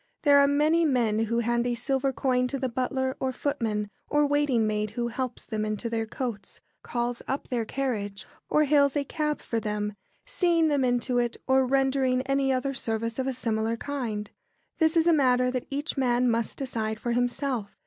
There are many men who hand a silver coin to the butler, or footman, or waiting maid who helps them into their coats, calls up their carriage, or hails a cab for them, seeing them into it, or rendering any other service of a similar kind. This is a matter that each man must decide for himself.